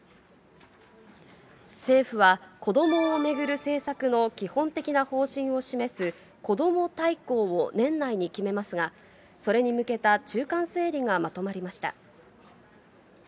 政府は、子どもを巡る政策の基本的な方針を示す、こども大綱を年内に決めますが、それに向けた中間整理がまとまりました。